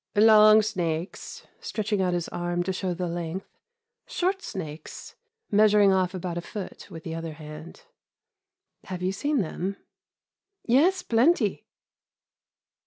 "Long snakes" (stretching out his arm to show the length), "short snakes" (measuring off about a foot with the other hand). "Have you seen them?" "Yes, plenty."